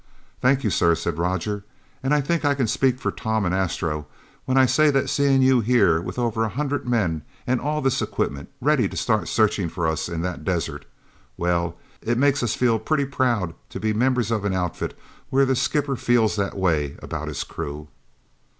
"Thank you, sir," said Roger, "and I think I can speak for Tom and Astro when I say that seeing you here with over a hundred men, and all this equipment, ready to start searching for us in that desert well, it makes us feel pretty proud to be members of an outfit where the skipper feels that way about his crew!"